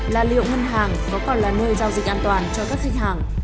là liệu ngân hàng có còn là nơi giao dịch an toàn cho các khách hàng